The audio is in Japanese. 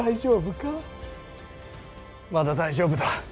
まだ大丈夫だ。